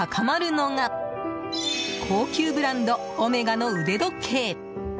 となると、期待が高まるのが高級ブランド、オメガの腕時計。